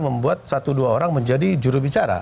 membuat satu dua orang menjadi juru bicara